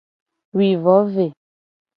Wi vo ve.